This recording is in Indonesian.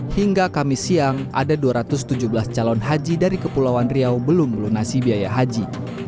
hingga kamis siang ada dua ratus tujuh belas calon haji dari kepulauan riau belum melunasi biaya haji